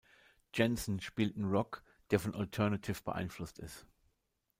Jenson spielten Rock, der von Alternative beeinflusst ist.